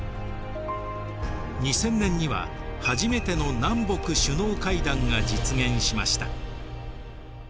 ２０００年には初めての南北首脳会談が実現しました。